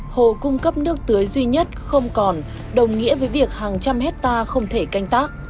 hồ cung cấp nước tưới duy nhất không còn đồng nghĩa với việc hàng trăm hectare không thể canh tác